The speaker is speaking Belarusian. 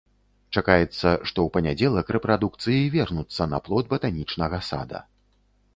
Чакаецца, што ў панядзелак рэпрадукцыі вернуцца на плот батанічнага сада.